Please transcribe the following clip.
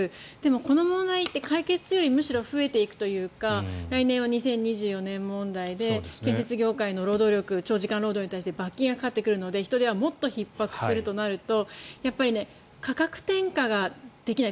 この問題って解決よりむしろ増えていくというか来年は２０２４年問題で建設業界の労働力長時間労働に対して罰金がかかってくるので人手はもっとひっ迫するとなると価格転嫁ができない。